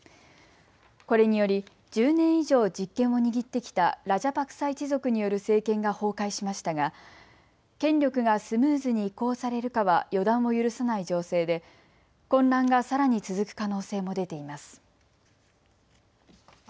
これにより１０年以上、実権を握ってきたラジャパクサ一族による政権が崩壊しましたが権力がスムーズに移行されるかは予断を許さない情勢で混乱がさらに続く可能性も出ています。